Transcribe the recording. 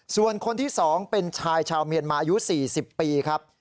ส่วนคนที่๒เป็นชายชาวเมียนมาอายุ๔๐ปีครับ